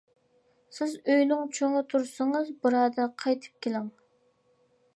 سىز ئۆينىڭ چوڭى تۇرسىڭىز. بۇرادەر، قايتىپ كېلىڭ!